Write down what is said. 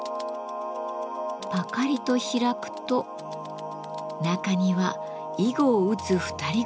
ぱかりと開くと中には囲碁を打つ２人組が。